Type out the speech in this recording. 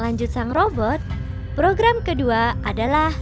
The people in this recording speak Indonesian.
lanjut sang robot program kedua adalah